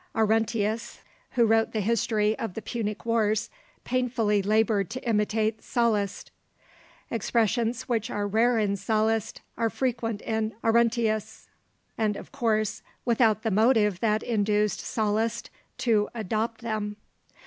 Arruntius, who wrote the history of the Punic Wars, painfully laboured to imitate Sallust. Expressions which are rare in Sallust are frequent in Arruntius, and, of course, without the motive that induced Sallust to adopt them.